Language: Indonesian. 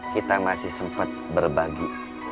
kita masih sempet berbagi